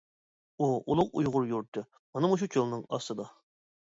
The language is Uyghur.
ئۇ ئۇلۇغ ئۇيغۇر يۇرتى مانا مۇشۇ چۆلنىڭ ئاستىدا.